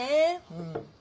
うん。